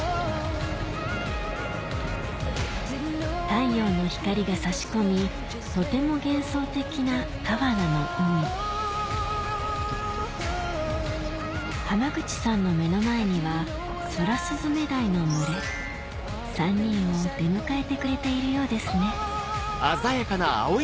太陽の光が差し込みとても幻想的な川奈の海濱口さんの目の前にはソラスズメダイの群れ３人を出迎えてくれているようですね